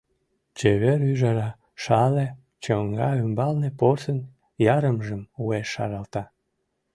Чевер ӱжара Шале чоҥга ӱмбалне порсын ярымжым уэш шаралта.